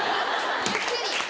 ゆっくり。